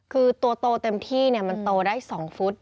คือตัวโตเต็มที่เนี่ยมันโตได้สองฟุต